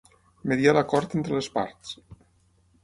Mediar l'acord entre les parts.